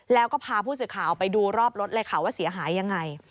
แล้วก็พาผู้สื่อข่าวไปดูรอบรถเลยค่ะว่าเสียหายยังไง